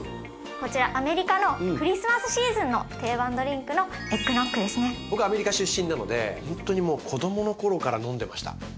こちらアメリカのクリスマスシーズンの定番ドリンクの僕アメリカ出身なのでほんとにもう子供の頃から飲んでました。